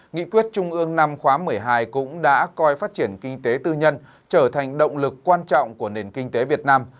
nghị quyết trung ương năm khóa một mươi hai cũng đã coi phát triển kinh tế tư nhân trở thành động lực quan trọng của nền kinh tế việt nam